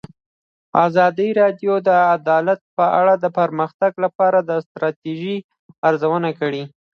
ازادي راډیو د عدالت په اړه د پرمختګ لپاره د ستراتیژۍ ارزونه کړې.